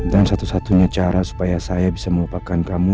dan satu satunya cara supaya saya bisa melupakan kamu